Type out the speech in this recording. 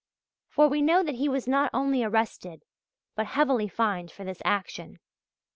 For we know that he was not only arrested but heavily fined for this action.